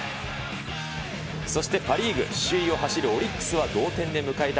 そしてパ・リーグ、首位を走るオリックスは同点で迎えた